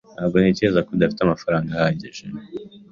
Ntabwo ntekereza ko dufite amafaranga ahagije.